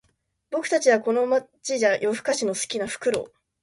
僕たちはこの街じゃ夜ふかしの好きなフクロウ